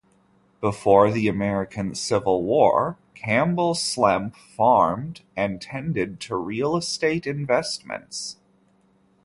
Before the American Civil War, Campbell Slemp farmed and tended to real estate investments.